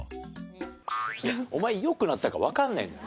いやお前良くなったかわかんないのよ。